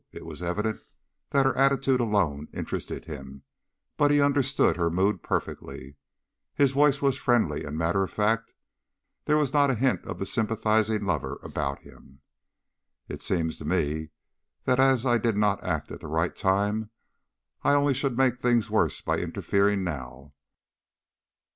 It was evident that her attitude alone interested him, but he understood her mood perfectly. His voice was friendly and matter of fact; there was not a hint of the sympathizing lover about him. "It seems to me that as I did not act at the right time I only should make things worse by interfering now.